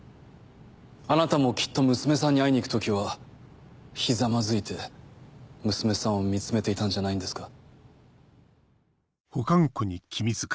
あなたもきっと娘さんに会いに行く時はひざまずいて娘さんを見つめていたんじゃないんですか？